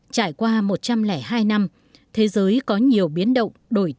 trải qua một trăm linh hai năm thế giới có nhiều biến động